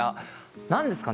何ですかね。